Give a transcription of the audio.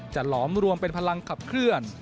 หลอมรวมเป็นพลังขับเคลื่อน